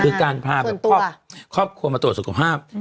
คือการพาแบบครอบครัวมาตรวจสุขภาพ